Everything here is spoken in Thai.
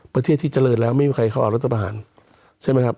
ประเทศที่เจริญแล้วไม่มีใครเข้าออกรัฐประหารใช่ไหมครับ